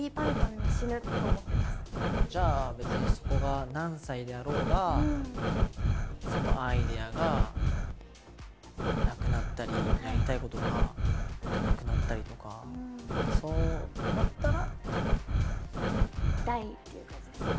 じゃあ別にそこが何歳であろうがアイデアがなくなったりやりたいことがなくなったりとかそうなったら？